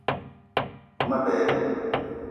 Ve ma berri